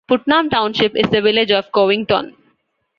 Putnam Township is the village of Covington.